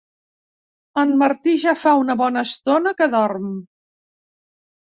En Martí ja fa una bona estona que dorm.